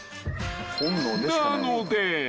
［なので］